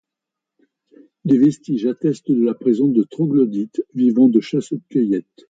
Des vestiges attestent de la présence de troglodytes vivant de chasse et de cueillette.